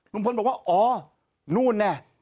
ลุงพลบอกว่าอ๋อนู่นน่ะ